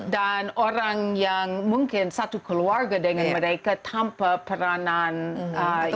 dan orang yang mungkin satu keluarga dengan mereka tanpa peranan yang jelas